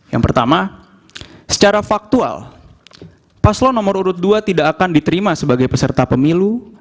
yang pertama secara faktual paslon nomor urut dua tidak akan diterima sebagai peserta pemilu